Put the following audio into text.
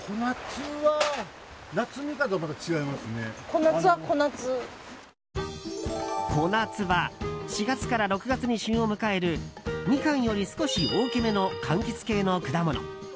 小夏は４月から６月に旬を迎えるミカンより少し大きめの柑橘系の果物。